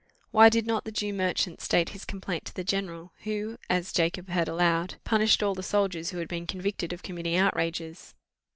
Why did not the Jew merchant state his complaint to the general, who had, as Jacob allowed, punished all the soldiers who had been convicted of committing outrages?